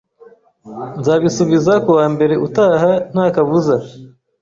Nzabisubiza kuwa mbere utaha nta kabuza.